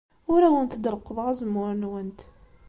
Ur awent-d-leqqḍeɣ azemmur-nwent.